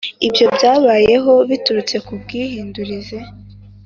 Ibyo byabayeho biturutse ku bwihindurize